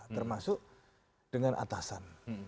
termasuk dengan atasan